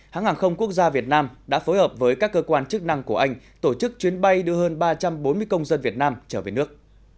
hãng hàng không quốc gia việt nam đã phối hợp với các cơ quan chức năng của anh tổ chức chuyến bay đưa hơn ba trăm bốn mươi công dân việt nam trở về nước